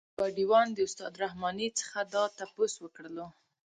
ګاډی وان د استاد رحماني څخه دا تپوس وکړلو.